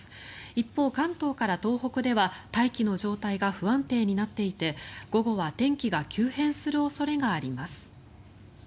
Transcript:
一方、関東から東北では大気の状態が不安定になっていて午後は天気が急変する恐れがあります。